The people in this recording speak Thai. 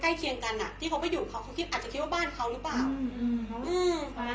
ใกล้เคียงกันหนักที่เขาไปอยู่เค้าคิดอาจจะเพราะบ้านเขาหรือเปล่า